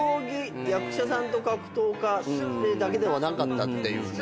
役者さんと格闘家ってだけではなかったっていうね。